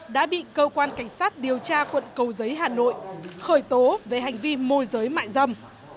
đã bị cơ quan cảnh sát điều tra quận cầu giấy hà nội khởi tố về hành vi môi giới mại dâm